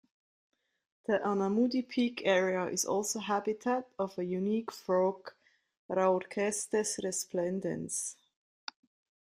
The Anamudi peak area is also habitat of a unique frog "Raorchestes resplendens".